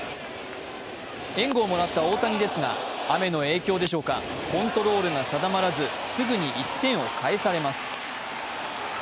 援護をもらった大谷ですが雨の影響でしょうか、大谷がコントロールが定まらず、すぐに１点を返されます。